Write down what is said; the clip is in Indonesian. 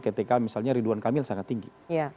ketika misalnya ridwan kamil sangat tinggi